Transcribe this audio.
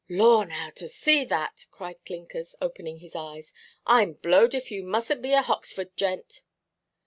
"Lor, now, to see that!" cried Clinkers, opening his eyes; "Iʼm blowed if you mustnʼt be a Hoxford gent."